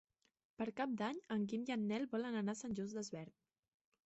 Per Cap d'Any en Guim i en Nel volen anar a Sant Just Desvern.